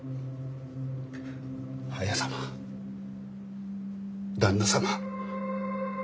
綾様旦那様。